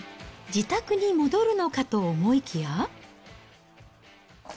自宅に戻るのかと思いきや。